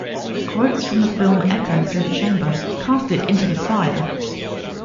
Quotes from the film echo through the chamber: Cast it into the fire!